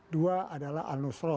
dua adalah al nusra